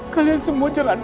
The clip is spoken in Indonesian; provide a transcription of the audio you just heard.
kalian semua jangan